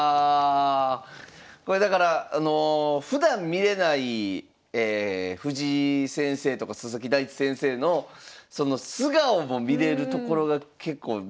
これだからあのふだん見れない藤井先生とか佐々木大地先生のその素顔も見れるところが結構魅力かもしれないですよね。